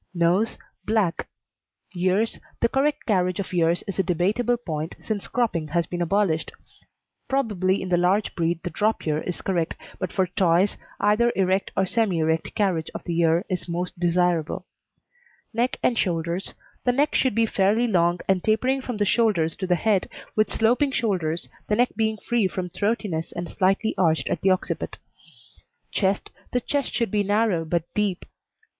NOSE Black. EARS The correct carriage of ears is a debatable point since cropping has been abolished. Probably in the large breed the drop ear is correct, but for Toys either erect or semi erect carriage of the ear is most desirable. NECK AND SHOULDERS The neck should be fairly long and tapering from the shoulders to the head, with sloping shoulders, the neck being free from throatiness and slightly arched at the occiput. CHEST The chest should be narrow but deep.